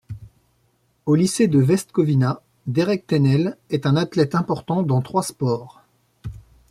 Au lycée de West Covina, Derek Tennell est un athlète important dans trois sports.